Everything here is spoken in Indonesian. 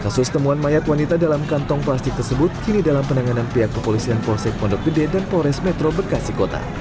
kasus temuan mayat wanita dalam kantong plastik tersebut kini dalam penanganan pihak kepolisian polsek pondok gede dan polres metro bekasi kota